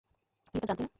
তুই এটা জানতি না।